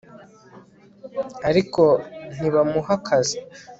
ariko ntibamuha akazi